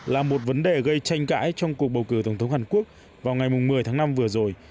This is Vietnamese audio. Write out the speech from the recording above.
là một vấn đề gây tranh cãi trong cuộc bầu cử tổng thống hàn quốc vào ngày một mươi tháng năm vừa rồi